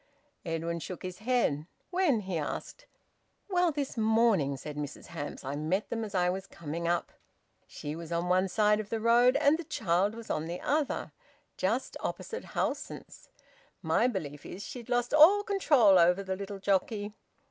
Edwin shook his head. "When?" he asked. "Well, this morning," said Mrs Hamps. "I met them as I was coming up. She was on one side of the road, and the child was on the other just opposite Howson's. My belief is she'd lost all control over the little jockey.